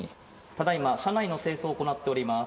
ただいま、車内の清掃を行っております。